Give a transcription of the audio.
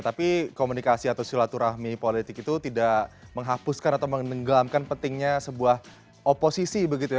tapi komunikasi atau silaturahmi politik itu tidak menghapuskan atau menenggelamkan pentingnya sebuah oposisi begitu ya